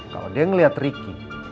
kalau dia melihat ricky